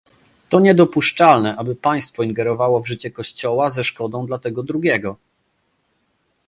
To niedopuszczalne, aby państwo ingerowało w życie kościoła ze szkodą dla tego drugiego